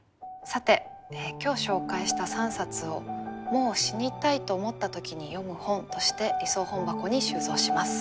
さて今日紹介した３冊を「もう死にたいと思った時に読む本」として理想本箱に収蔵します。